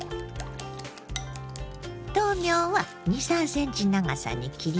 豆苗は２３ｃｍ長さに切ります。